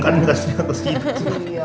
kan berasnya harus gitu